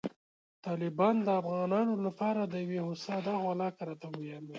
طالبان د افغانانو لپاره د یوې هوسا راتلونکې غوښتونکي دي.